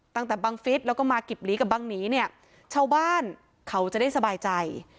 บังฟิศแล้วก็มากิบหลีกับบังหนีเนี่ยชาวบ้านเขาจะได้สบายใจ